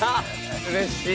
うれしい！